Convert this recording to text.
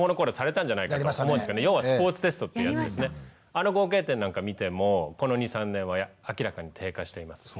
あの合計点なんか見てもこの２３年は明らかに低下していますし。